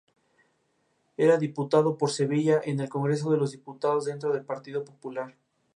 Jo estaba emocionada y sorprendida ante ello debido a que no se lo esperaba.